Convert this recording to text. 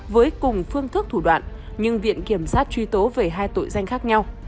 với cùng phương thức thủ đoạn nhưng viện kiểm sát truy tố về hai tội danh khác nhau